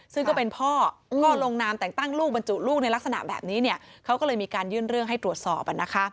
ซึ่งก็เป็นพ่อก็ลงนามแต่งตั้งลูกบรรจุลูกในลักษณะแบบนี้เนี่ยเขาก็เลยมีการยื่นเรื่องให้ตรวจสอบ